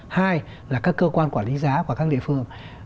hai là các cơ quan quản lý giá của các địa phương